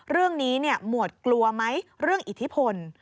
เรื่องนี้หมวดกลัวไหมเรื่องอิทธิพล